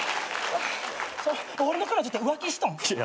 俺の彼女って浮気しとん？